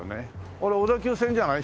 あれ小田急線じゃない？